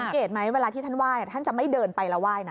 สังเกตไหมเวลาที่ท่านว่ายท่านจะไม่เดินไปแล้วว่ายนะ